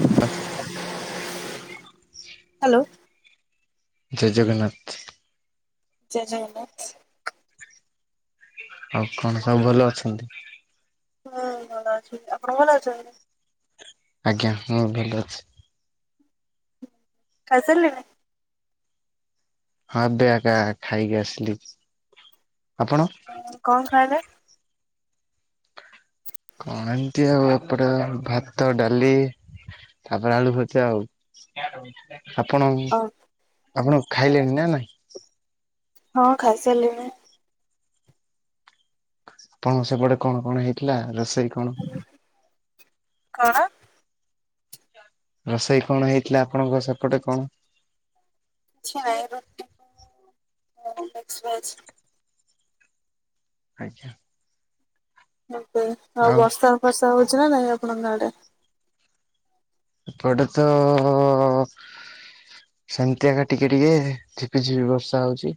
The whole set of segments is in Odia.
ହ୍ୟାଲୋ । ଜୟ ଜଗନ୍ନାଥ । ଜୟ ଜଗନ୍ନାଥ । ଆଉ କଣ ସବୁ ଭଲ ଅଛନ୍ତି? ହୁଁ ଭଲ ଅଛି, ଆପଣ ଭଲ ଅଛନ୍ତି? ଆଜ୍ଞା ମୁଁ ଭଲ ଅଛି । ଖାଇସାରିଲେଣି? ହଁ ଏବେ ଆକା ଖାଇକି ଆସିଲି । କଣ ଖାଇଲେ? କଣ ଏମିତି ଆଉ ଏପଟେ ଭାତ, ଡାଲି ତାପରେ ଆଳୁ ଭଜା ଆଉ। ଆପଣ ଅ ଆପଣ ଖାଇଲେଣି ନା ନାହିଁ? ହଁ ଖାଇ ସାଇଲିଣି। ତମ ସେପଟେ କଣ କଣ ହେଇଥିଲା ରୋଷ ଇ କଣ? କଣ? ରୋଷେଇ କଣ ହେଇଥିଲା ଆପଣଙ୍କ ସେପଟେ କଣ? [inaudible] ଆଜ୍ଞା। ଏ-ଏ ଆଉ ବର୍ଷା ବର୍ଷା ହଉଛି ନା ନାଇଁ ଆପଣଙ୍କ ଆଡେ? ଏପଟେ ତ-ଅ-ଅ-ଅ-ଅ-ଅ ସେମିତି ଆକା ଟିକେ ଟିକେ ଝିପି ଝିପି ବର୍ଷା ହଉଚି।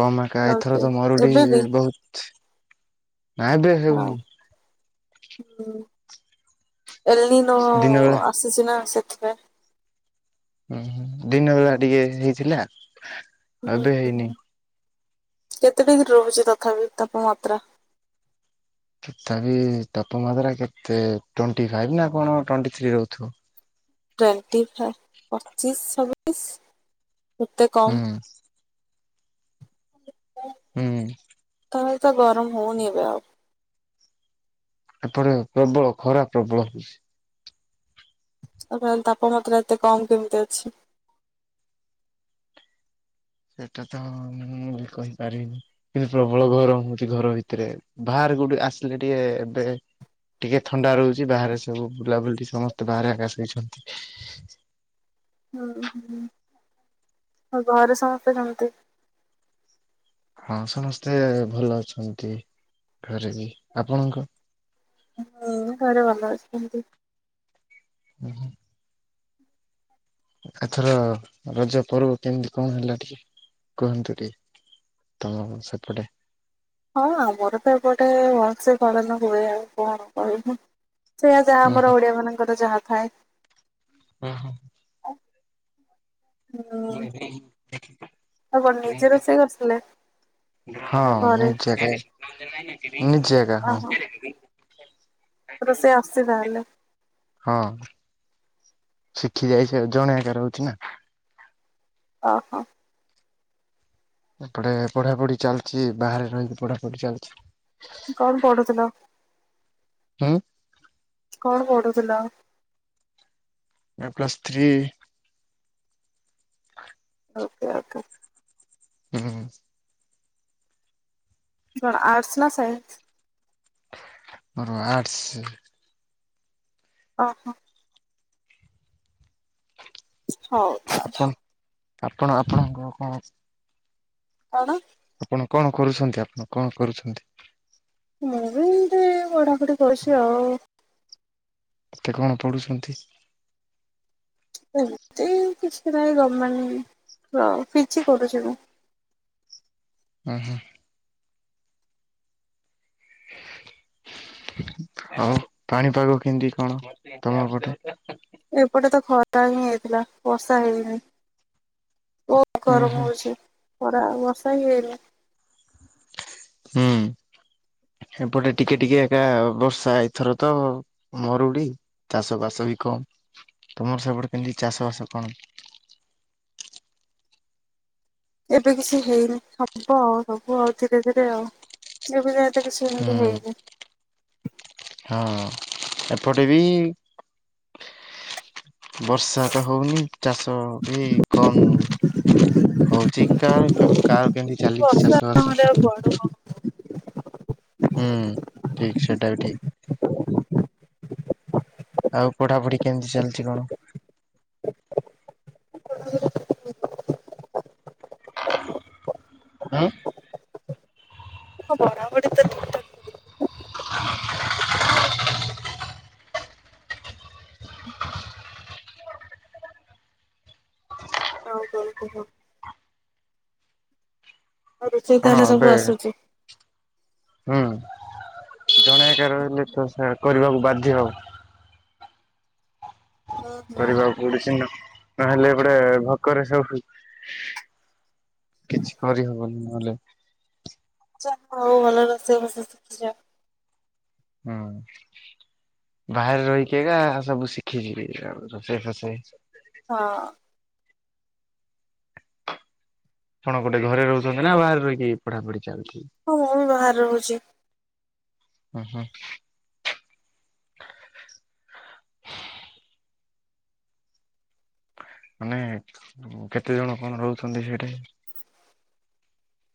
କମ ଏକା ଏଥର ଓକେ ତ ଏବେ ବି ମରୁଡି-ଇ-ଇ-ଇ ବହୁତ, ନାଇଁ ଏବେ ହଁ। ହେଉନି। ହୁଁ ଦିନ ବେଳା। [unintelligible] ଆସଛିି ନା ସେ ହ ହୁଁ ହୁଁ ଦିନ ବେଳା ଟିକେ ହେଇଥିଲା ଏବେ ହୁଁ ହେଇନି। କେତେ ଡ଼ିଗ୍ରୀ ରହୁଛି ତଥାପି ତାପମାତ୍ରା? ତଥାପି ତାପମାତ୍ରା କେତେ ଟ୍ୱେନ୍ଟି ଫାଇବ ନା କଣ ଟ୍ୱଣ୍ଟି ଥ୍ରି ରହୁଥିବ। ଟ୍ୱେଣ୍ଟି ଫାଇଭ ପଚିଶ ଛବିଶ ଏତେ ହୁଁ କମ୍। ହୁଁ। ତାହେଲେ ଗରମ ହଉନି ଏବେ ଆଉ। ଏପଟ ପ୍ରବଳ ଖରା ପ୍ରବଳ ହଉଛି। ଆପ ତାପମାତ୍ରା ଏତେ କମ କେମିତି ଅଛି। ସେଟା ତ ମୁଁ-ମୁଁ-ମୁଁ-ମୁଁ କହିପାରିବିନି କିନ୍ତୁ ପ୍ରବଳ ଗରମ ହଉଛି ଘର ଭିତରେ ବା କୋଉଠି ଆସିଲେ ଟିକେ ଏବେ ଟିକେ ଥଣ୍ଡା ରହୁଛି ବାହାରେ ସବୁ ବୁଲାବୁଲି ସମସ୍ତେ ବାହାରେ ଆକା ଶୋଇଛନ୍ତି। ହ ହୁଁ ହୁଁ, ଆଉ ଘରେ ସମସ୍ତେ କେମିତି? ହଁ ସମସ୍ତେ ଭଲ ଅଛନ୍ତି ଘରେ ବି। ଆପଣଙ୍କ? ହଁ ଘରେ ଭଲ ଅଛନ୍ତି। ହ। ଏଥର ରଜ ପର୍ବ କେମିତି କଣ ହେଲା ଟିକେ କୁହନ୍ତୁ ଟିକେ ତମ ସେପଟେ। ହଁ ଆମର ତ ଏପଟେ-ଏ-ଏ ଭଲସେ ପାଳନ ହୁଏ କଣ କହିବୁ। ସେଇଆ ଯାହା ହୁଁ ଆମର ଓଡିଆ ମାନଙ୍କର ଯାହା ଥାଏ। ହୁଁ। ହଁ ମୁଁ ଏବେ [unintelligible] ଆଉ କଣ ନିଜେ ରୋଷେଇ କରିଥିଲେ? ହଁ ନା ଘରେ? ନିଜ କରେ ନିଜ ଜାଗା ହଁ। ଓହୋ ରୋଷେଇ ଆସୁଛି ତାହେଲେ ହଁ। ଶିଖି ଯାଇଛି ଜଣ ଏକ ଏକ ରହୁଛି ନା। ଅ-ହ। ଏପଟେ ପଢାପଢି ଚାଲଚି ବାହାରେ ରହିି ପଢାପଢି ଚାଲିଛି। କଣ ପଢୁଥିଲ? ହୁଁ। କଣ ପଢ଼ୁଥିଲ? Plus three. ଓକେ-ଓକେ। ହୁଁ। ଆର୍ଟସ ନା ସାାଇନ୍ସ। ମୋର ଆର୍ଟସ। ଓ ହୋ। ହଉ। ଆପଣ ଆପଣ ଆପଣଙ୍କ କଣ? କଣ? ଆପଣ କଣ କରୁଛନ୍ତି ଆପଣ କଣ କରୁଛନ୍ତି? ମୁଁ ବି ଗୋଟେ ପଢ଼ାପଢ଼ି କରୁଛି ଆଉ। ଏବେ କଣ ପଢୁଛନ୍ତି? ଏମତି କିଛି ନାହିଁ, ଗଭଣମେଣ୍ଟ ପିଜି କରୁଛି ମୁଁ। [inaudible] ଉଁ ହୁ। [inaudible] ଆଉ ପାଣିପାଗ କେମିତି କଣ ତମ ପଟେ? ଏପଟେ ତ ଖରା ହିଁ ହେଇଥିଲା ବର୍ଷା ହେଇନି। ବହୁତ ଉଁ ହୁଁ ଗରମ ହଉଛି ଖରା ବର୍ଷା ବି ହେଇନି। ହୁଁ। ଏପଟେ ଟିକେ ଟିକେ ଏକା ବର୍ଷା ଏଇଥର ତ ମରୁଡି ଚାଷ ବାସ ବି କମ ତମର ସେପଟେ କେମିତି ଚାଷ ବାସ କଣ? [inaudible] ଏବେ କିଛି ହେଇନି ହବ ଆଉ ସବୁ ଆଉ ଧୀରେ ଧୀରେ ଆଉ ତ କିଛି ଏମିତି ହେଇନି ହୁଁ-ହଁ। ଏପଟେ ବି ବର୍ଷା ତ ହଉନି ଚାଷ ବି କମ ହଉଛି କା କାହାର କେମିତି ଚାଲିଛି ବର୍ଷା ଚାଷ ବାସ। ନହେଲେ ଆଉ କୁଆଡୁ ହବ ହୁଁ ଠିକ୍ ସେଟା ବି ଠିକ୍। [inaudible] ଆଉ ପଢାପଢି କେମିତି ଚାଲିଛି କଣ? ପଢ଼ାପଢ଼ି ଚାଲିଛି [unintelligible] ହୁଁ। ପଢ଼ାପଢ଼ି ତ ଠିକ୍ ଠାକ୍ ଚାଲିଚି। [inaudible] ହଁ କୁହ। ରୋଷେଇ କଣ ତାହାଲେ ସବୁ ଏବେ ଆସୁଛି। ହୁଁ ଜଣେ ଏକା ରହିଲେ ତ ସେ କରିବାକୁ ବାଧ୍ୟ। ହୁଁ ହୁଁ କରିବାକୁ ପଡୁନା ନହେଲେ ଏଟେ ଭୋକରେ ସବୁ କିଛି କରିହବନି ନହେଲେ ଯାହା ହଉ ଭଲରେ ରୋଷେଇ ବାସ ଶିଖିଚ। ହଁ। ବାହାରେ ରହିକି ଏଗା ସବୁ ଶିଖିଚି ରୋଷେଇ ଫୋଷେଇ। ହଁ। କଣ ଗୋଟେ ଘରେ ରହୁଛନ୍ତି ନା ବାହାରେ ରହିକି ପଢାପଢି? ଚାଲିଛି? ହଁ ମୁଁ ବି ବାହାରେ ରହୁଛି। ହୁଁ ହୁଁ। ମାନେ କେତେ ଜଣ କଣ ରହୁଛନ୍ତି ସେଠି?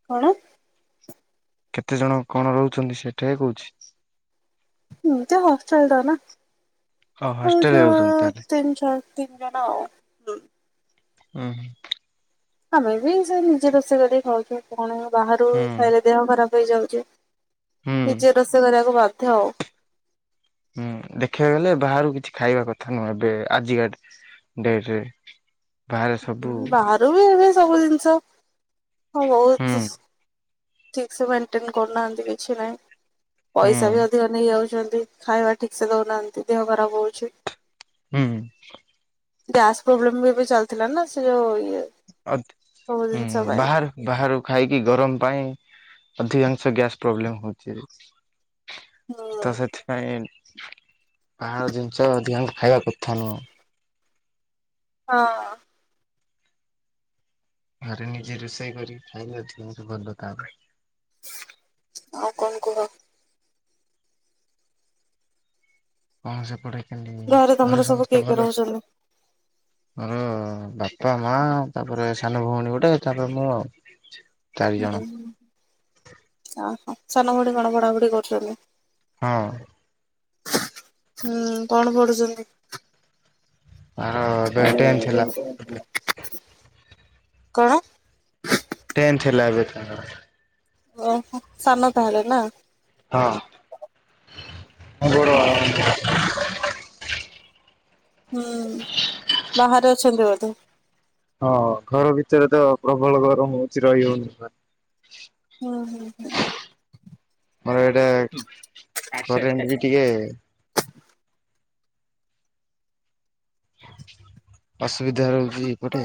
କଣ? କେତେ ଜଣ କଣ ରହୁଛନ୍ତି ସେଟା ହି କହୁଛି। ଏମତି ହଷ୍ଟେଲ ଟା ନା। ଓ ଆଉ ହଷ୍ଟେଲରେ ଜମା ରହୁଛନ୍ତି ତାହେଲେ ତିନ ଚାର ତିନ ଜଣ ଆଉ ହୁଁ। ହୁଁ ହୁଁ। ଆମେ ବି ସେଇ ନିଜେ ରୋଷେଇ କରିକି ଖାଉଛୁ କଣ ବାହାରୁ ହୁଁ। ଖାଇଲେ ଦେହ ଖରାପ ହେଇଯାଉଛି। ହୁଁ ନିଜେ ରୋଷେଇ କରିଆକୁ ବାଧ୍ୟ ଆଉ। ହୁଁ ଦେଖିବାକୁ ଗଲେ ବାହାରୁ କିଛି ଖାଇବା କଥା ନୁହେଁ। ଏବେ ଆଜିକା ଡେ ଡେଟରେ। ବାହାରେ ସବୁ ହଁ ହୁଁ ବାହାରୁ ବି ଏବେ ସବୁ ଜିନିଷ ହ ବହୁ ହୁଁ ଠିକ ସେ ମେଣ୍ଟେନ କରୁନାହାଁନ୍ତି କିଛି ନାହିଁ। ପଇସା ବି ହୁଁ ଅଧିକ ନେଇ ଯାଉଛ ନ୍ତି। ଖାଇବା ଠିକ ସେ ଦଉନାହାଁନ୍ତି ଦେହ ଖରାପ ହଉଛି। ହୁଁ ହୁଁ। ଗ୍ୟାସ ପ୍ରୋବ୍ଲେମ ବି ଏବେ ଚାଲିଥିଲା ନା ସେ ଯୋଉ ଇଏ ଆଉ ସବୁ ଜିନିଷ ହୁଁ ପାଇଁ ବାହାରୁ ବାହାରୁ ଖାଇକି ଗରମ ପାଇଁ ଅଧିକାଂଶ ଗ୍ୟାସ ପ୍ରୋବ୍ଲେମ ହଉଛି। ହୁଁ। ତ ସେଥିପାଇଁ ବାହାର ଜିନିଷ ଅଧିକାଂଶ ଖାଇବା କଥା ନୁହଁ। ହଁ। ଘରେ ନିଜେ ରୋଷେଇ କରିକି ଖାଇଲେ ଦେହକୁ ଭଲ ତା ପାଇଁ। ଆଉ କଣ କୁହ? କଣ ସେପଟେ? କେମିତି ଘରେ ତମର ସବୁ ସମସ୍ତେ କିଏ ଭଲ କିଏ ଅଛନ୍ତି? ରହୁଛନ୍ତି? ମୋର ବାପା ମା ତାପରେ ସାନ ଭଉଣୀ ଗୋଟେ ତାପରେ ମୁଁ ଆଉ। ଚାରି ହୁଁ ଜଣ। ହୁଁ। ଆଉ ସାନ ଭଉଣୀ କଣ ପଢ଼ାପଢ଼ି କରୁଛନ୍ତି? ହଁ। ହୁଁ କଣ ପଢୁଛନ୍ତି? ତାର ଏବେ ଟେନ୍ ଥିଲା [inaudible] କଣ? ଟେନ୍ଥ ହେଲା ଏବେ [inaudible] ଓହୋ ସାନ ତାହେଲେ ନା। ହଁ। ହଉ। ହୁଁ ବାହାରେ ଅଛନ୍ତି ବୋଧେ? ହଁ ଘର ଭିତରେ ତ ପ୍ରବଳ ଗରମ ହଉଛି ରହି ହଉନି ବା। ହୁଁ ହୁଁ ହୁଁ। [unintelligible] ଘରେ ଏମତି ଟିକେ ଅସୁବିଧା ରହୁଛି ଏଇପଟେ।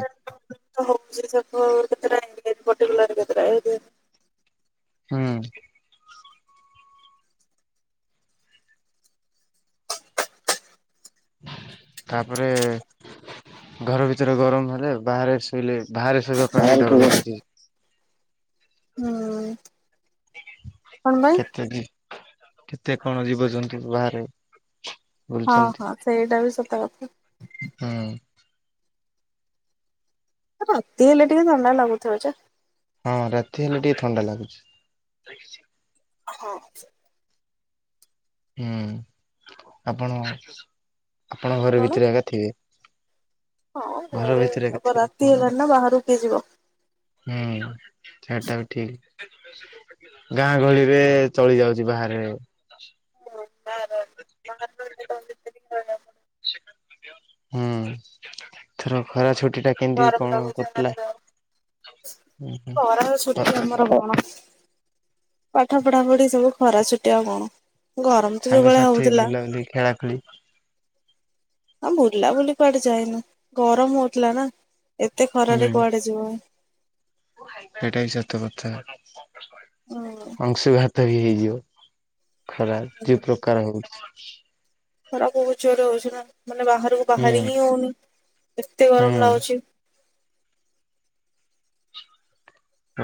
ହଉଛି ସବୁ କେତେଟା ଏମତି ପର୍ଟିକୁଲାର କେତେଟା ହୁଁ। ତାପରେ ଘର ଭିତରେ ଗରମ ହେଲେ ବାହାରେ ଶୋଇଲେ ବାହାରେ ଶୋଇବା ପାଇଁ ବି ଡର ଲାଗୁଚି। ହୁଁ। କଣ ପାଇଁ କେତେ ବି କେତେ କଣ ଜୀବଜନ୍ତୁ ବାହାରେ ହଁ ବୁଲଛନ୍ତି ହଁ ସେଇଟା ବି ସତ କଥା। ହୁଁ। ରାତି ହେଲେ ଟିକେ ଥଣ୍ଡା ଲାଗୁଥିବ ଯେ। ହଁ ରାତି ହେଲେ ଟିକେ ଥଣ୍ଡା ଲାଗୁଛି। ହଁ। ହୁଁ ଆପଣ ଆପଣ ଘରେ କଣ ଭିତରେ ଏକା ଥିବେ। ହଁ ଘର ଭିତରେ ଏକା ଘରେପ ଥିବେ ଆପଣ ରାତି ହେଲାଣି ନା ବାହାରକୁ କିଏ ଯିବ। ହୁଁ ସେଟା ବି ଠିକ୍। ଗାଁ ଗହଳିରେ ଚଳି ଯାଉଛି। ବାହାରେ ବାହାରେ ବାହାରେ ରହିଲେ ତ [unintelligible] ହୁଁ ଥର ଖରା ଛୁ ଗରମ ଲାଗୁଚି ଭାରି ଜୋରେ। ଉଁ ହୁଁ ଖରା ଖ ଛୁଟି ଆମର କଣ। ପାଠ ପଢାପଢି ସବୁ ଖରା ଛୁଟି ଆଉ କଣ। ଗରମ ତ ଯୋଉ ଭଳିଆ ସାଙ୍ଗସାଥି ହଉଥିଲା। ବୁଲାବୁଲି ଖେଳା ଖେଳି ହଁ ବୁଲା ବୁଲି କୁଆଡେ ଯାଏନି ଗରମ ହଉଥିଲା ନା। ଏତେ ହୁଁ ଖରାରେ କୁଆଡେ ଯିବ। ସେଇଟା ବି ସତ କଥା। ଅଂଶୁଘାତ ତ ହେଇ ହେଇଯିବ। ଖରା ଯୋଉ ପ୍ରକାର ହଉଛି। ଖରା ବହୁତ୍ ଜୋରେ ହଉଛି ନା। ମାନେ ବାହାରକୁ ବାହାରି ହୁଁ। ହିଁ ହଉନି। ଏତେ ହୁଁ ଗରମ ଲାଗୁଛି।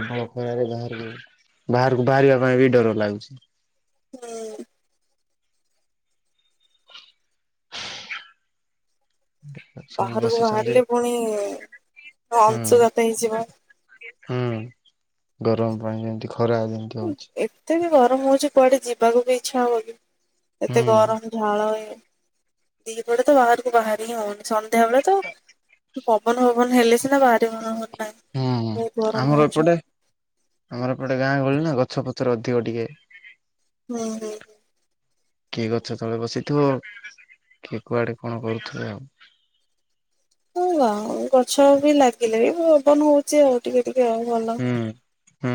ଏଭଳିଆ ଖରାରେ ବାହାରକୁ ବାହାରକୁ ବାହାରିବା ପାଇଁ ବି ଡର ଲାଗୁଛି। ହୁଁ। ସବୁ ବାହାରକୁ ବସିଛନ୍ତି ବାହାରିଲେ ପୁଣି ହୁଁ ଅଂଶୁଘାତ ହେଇଯିବ। ହୁଁ ଗରମ ପାଣି ଯେମିତି ଖରା ଯେମିତି ହଉଛି। ଏତେ ବି ଗରମ ହଉଛି କୁଆଡେ ଯିବାକୁ ବି ଇଚ୍ଛା ହବ କି? ଏତେ ହୁଁ। ଗରମ ଝାଳ ହୁଏ। ଦିପଟ ତ ବାହାରକୁ ବାହାର ହିଁ ହଉନି। ସନ୍ଧ୍ୟାବେେଳେ ତ ପବନ ଫବନ ହେଲେ ସିନା ବାହାରିବ। ହୁଁ ହୁଁ ଆମର ଏପଟେ ଆମର ଏପଟେ ଗାଁ ଗହଳି ନା। ଗ ଛ ପଛର ଅଧିକ ଟିକେ। ହୁଁ ହୁଁ। କିଏ ଗଛ ତଳେ ବସିଥିବ। କିଏ କୁଆଡେ କଣ କରୁଥିବ ଆଉ। ହଉ ଗଛ ବି ଲାଗିଲେ ବି ପବନ ହଉଛି ଆଉ ଟିକେ ଟିକେ ଆଉ ଭଲ ହୁଁ। ହୁଁ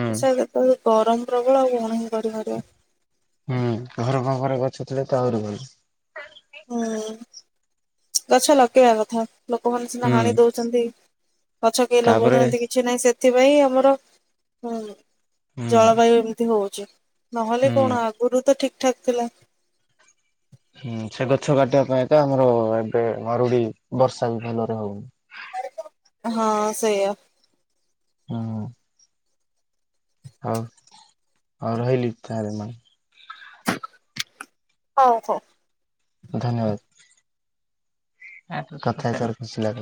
ଗରମ ପ୍ରବଳ ଆଉ କଣ ହିଁ କରିପାରିବା। ହୁଁ ଘର ପାଖରେ ଗଛ ଥିଲେ ତ ଆହୁରି ଭଲ। ହୁଁ ଗଛ ଲଗେଇବା କଥା। ଲୋକମାନେ ସିନା ହାଣି ହୁଁ ଦଉଛନ୍ତି। ଗଛ କେହି ଲଗୋଉ ତାପରେ ନାହାଁନ୍ତି କିଛି ନାହିଁ। ସେ ସେଥିପାଇଁ ଆମର ହୁଁ ହୁଁ ଜଳବାୟୁ ଏମିତି ହୋଉଛି। ନହଲେ ହୁଁ କଣ ଆଗୁରୁ ତ ଠିକ୍ ଠାକ୍ ଥିଲା। ହୁଁ ସେ ଗଛ କାଟିବା ପାଇଁ ତ ଆମର ଏବେ ମରୁଡି ବର୍ଷା ବି ଭଲରେ ହୋଉନି। ହଁ ସେଇଆ। ହୁଁ। ହଉ ହଉ ରହିଲି। ଥାରେ ମା। ହଉ ହଉ। ଧନ୍ୟବାଦ୍ କଥା ହେଇ ସାରି ଖୁସି ଲାଗିଲା।